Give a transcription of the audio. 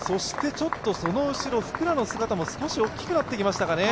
その後ろ福良の姿も少し大きくなってきましたかね。